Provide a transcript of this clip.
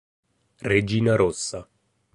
Regina Rossa